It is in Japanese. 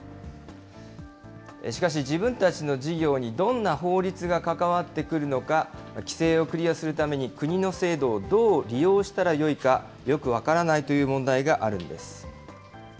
しかし、自分たちの事業にどんな法律が関わってくるのか、規制をクリアするために国の制度をどう利用したらよいか、よく分からないという問題があるんです。